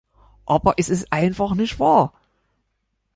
Aber es ist einfach nicht wahr.